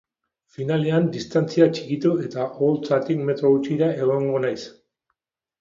Finalean, distantziak txikitu eta oholtzatik metro gutxira egongo naiz.